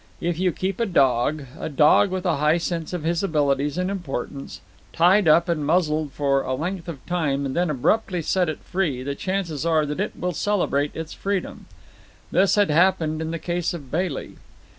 If you keep a dog, a dog with a high sense of his abilities and importance, tied up and muzzled for a length of time and then abruptly set it free the chances are that it will celebrate its freedom. This had happened in the case of Bailey.